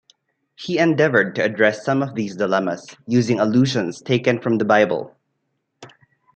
He endeavored to address some of these dilemmas, using allusions taken from the Bible.